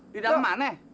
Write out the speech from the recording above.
di dalam mana